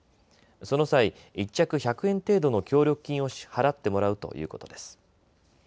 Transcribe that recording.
その際、１着１００円程度の協力金を払ってもらうということです。